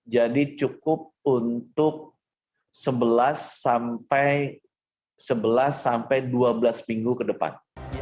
jadi cukup untuk sebelas sampai dua belas minggu ke depan